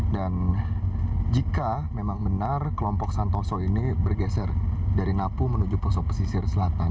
dan jika memang benar kelompok santoso ini bergeser dari napu menuju poso pesisir